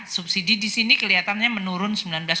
subsidi di sini kelihatannya menurun sembilan belas delapan